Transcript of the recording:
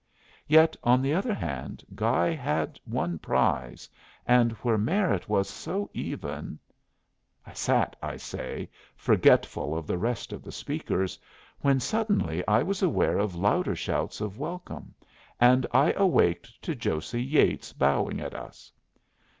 Yet, on the other hand, Guy had one prize, and where merit was so even I sat, I say, forgetful of the rest of the speakers, when suddenly I was aware of louder shouts of welcome, and I awaked to Josey Yeatts bowing at us.